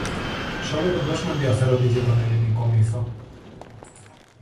σε όλον τον κόσμο ενδιαφέρονται για τον ελληνικό μύθο.